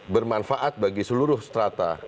bermanfaat bagi seluruh strata